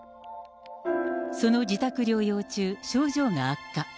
その自宅療養中、症状が悪化。